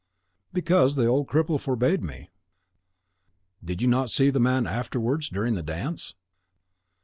"Because the old cripple forbade me." "Did you not see the man afterwards during the dance?"